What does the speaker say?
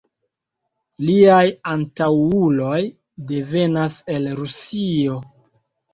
Liaj antaŭuloj devenas el Rusio.